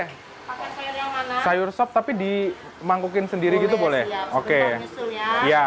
pakai sayur yang mana sayur sop tapi dimangkukin sendiri gitu boleh boleh sih